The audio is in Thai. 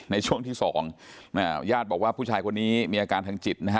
ในช่วงที่สองญาติบอกว่าผู้ชายคนนี้มีอาการทางจิตนะฮะ